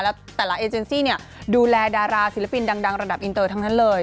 แล้วแต่ละเอเจนซี่เนี่ยดูแลดาราศิลปินดังระดับอินเตอร์ทั้งนั้นเลย